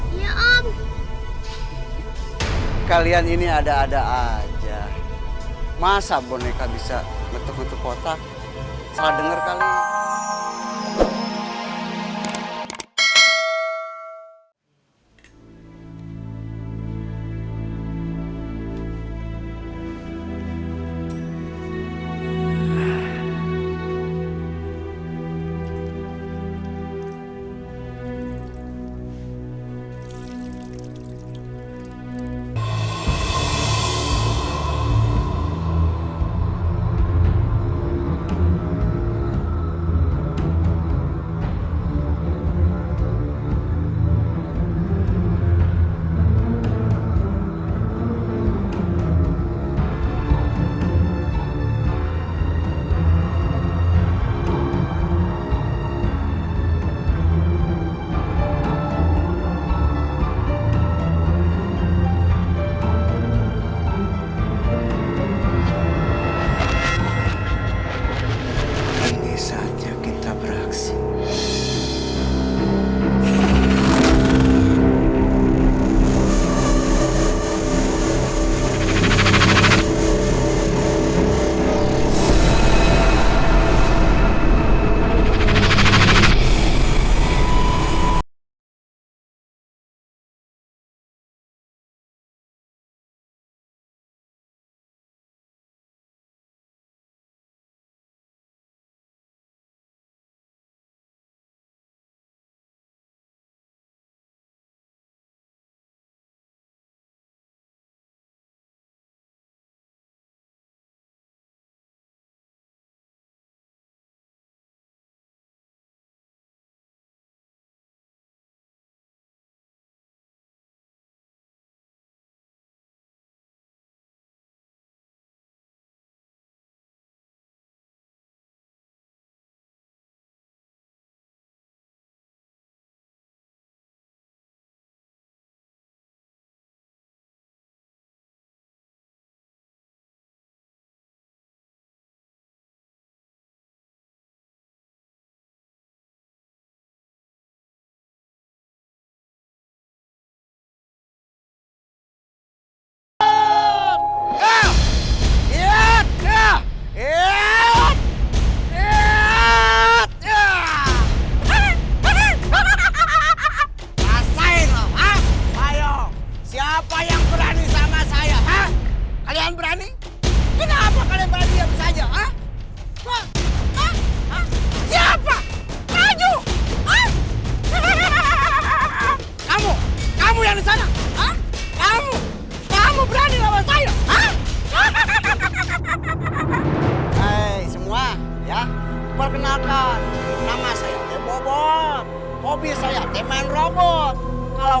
hai ya om kalian ini ada ada aja masa boneka bisa betuk betuk kotak salah denger kali